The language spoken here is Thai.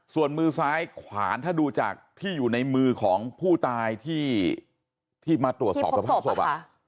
ส่วนมือซ้ายขวานถ้าดูจากที่อยู่ในมือของผู้ตายที่มาตรวจสอบสภาพศพ